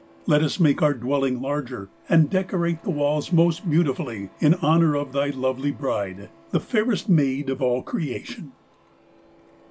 Let us make our dwelling larger, and decorate the walls most beautifully in honour of thy lovely bride, the fairest maid of all creation.'